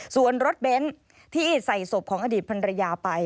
ส่วนรถเบนท์ที่ใส่ศพของอดีตพันรยาไป